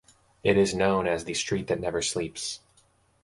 It is known as the street that never sleeps.